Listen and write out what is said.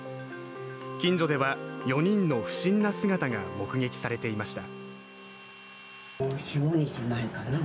近所では４人の不審な姿が目撃されていました。